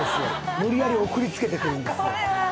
無理やり送りつけてくるんですよ。